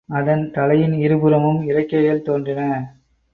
அதன் தலையின் இருபுறமும் இறக்கைகள் தோன்றின.